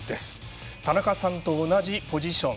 田中さんと同じポジション。